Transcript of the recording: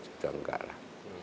sudah enggak lah